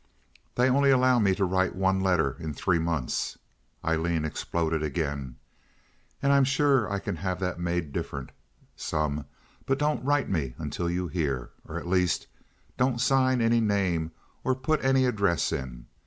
They only allow me to write one letter in three months"—Aileen exploded again—"and I'm sure I can have that made different—some; but don't write me until you hear, or at least don't sign any name or put any address in.